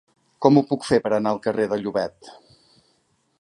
Com ho puc fer per anar al carrer de Llobet?